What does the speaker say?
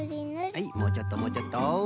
はいもうちょっともうちょっと。